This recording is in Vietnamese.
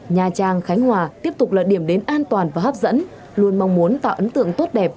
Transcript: nha trang khánh hòa tiếp tục là điểm đến an toàn và hấp dẫn luôn mong muốn tạo ấn tượng tốt đẹp